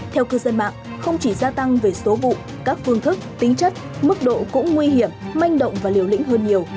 theo cư dân mạng không chỉ gia tăng về số vụ các phương thức tính chất mức độ cũng nguy hiểm manh động và liều lĩnh hơn nhiều